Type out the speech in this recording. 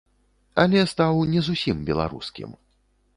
Але стаў не зусім беларускім.